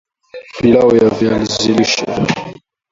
pilau ya viazi lishe